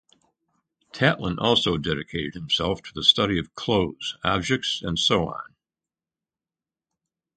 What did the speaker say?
Tatlin also dedicated himself to the study of clothes, objects and so on.